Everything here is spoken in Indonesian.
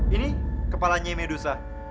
ini kepala nyai medusa